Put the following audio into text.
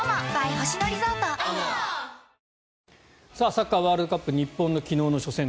サッカーワールドカップ日本の昨日の初戦